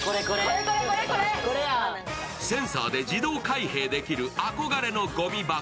センサーで自動開閉できる憧れのごみ箱。